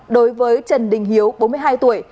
đối với trần đình hiếu bốn mươi hai tuổi